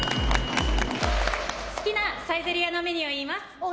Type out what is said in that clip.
好きなサイゼリヤのメニューを言います。